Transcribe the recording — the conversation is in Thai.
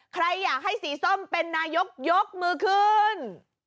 ใครอยากให้สีส้มเป็นนายกยกมือขึ้น